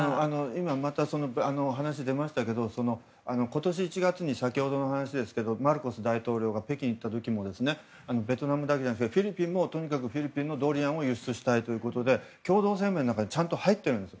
今、話が出ましたが今年１月に、先ほどの話ですがマルコス大統領が北京に行った時にもベトナムだけじゃなくてフィリピンもフィリピンのドリアンを輸出したいということで共同声明の中にちゃんと入ってるんです。